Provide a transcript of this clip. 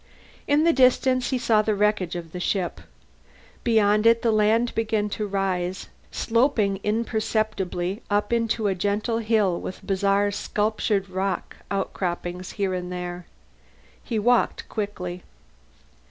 In the distance he saw the wreckage of the ship; beyond it the land began to rise, sloping imperceptibly up into a gentle hill with bizarre sculptured rock outcroppings here and there. He walked quickly.